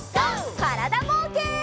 からだぼうけん。